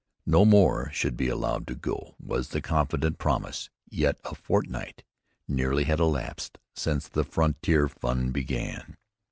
No more should be allowed to go, was the confident promise, yet a fortnight nearly had elapsed since the frontier fun began.